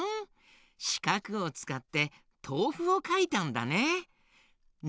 しかくをつかってとうふをかいたんだね。